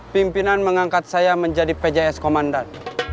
pimpinan mengangkat saya menjadi pjs komandan